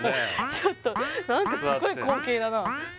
ちょっと何かすごい光景だなあ